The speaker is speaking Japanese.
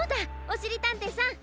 おしりたんていさん！